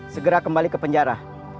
segera kembali ke penjara